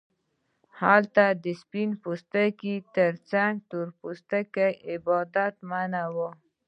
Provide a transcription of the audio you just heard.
هلته د سپین پوستو ترڅنګ د تور پوستو عبادت منع و.